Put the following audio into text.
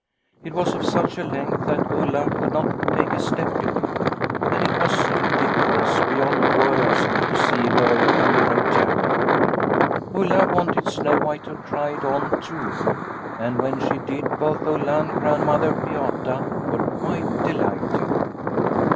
It was of such a length that Ulla could not take a step in it, and it was ludicrous beyond words to see her in the red jacket. Ulla wanted Snow White to try it on too, and when she did both Ulla and Grandmother Beata were quite delighted.